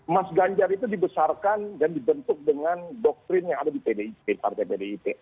mas ganjar itu dibesarkan dan dibentuk dengan doktrin yang ada di pdip partai pdip